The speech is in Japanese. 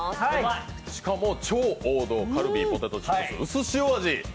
しかも超王道、カルビーポテトチップスうすしお味。